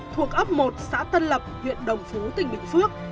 thuộc ấp một xã tân lập huyện đồng phú tỉnh bình phước